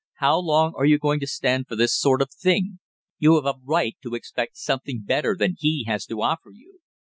"How long are you going to stand for this sort of thing? You have a right to expect something better than he has to offer you!"